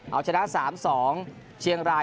เอาชนะ๓๒